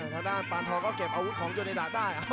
แล้วด้านปานทองก็เก็บอาวุธของยนต์เนดาได้